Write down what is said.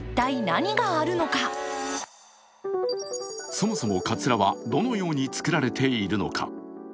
そもそもかつらはどのように作られているのか。